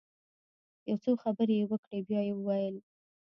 يو څو خبرې يې وکړې بيا يې وويل.